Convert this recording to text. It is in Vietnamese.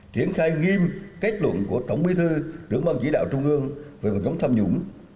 triển khai nghiêm kết luận của tổng bí thư đứng bằng chỉ đạo trung ương về bằng chống tham nhũng